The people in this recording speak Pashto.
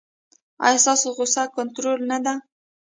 ایا ستاسو غوسه کنټرول نه ده؟